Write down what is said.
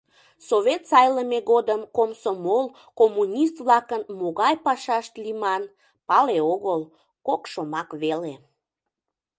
Совет сайлыме годым комсомол, коммунист-влакын могай пашашт лийман — пале огыл, кок шомак веле.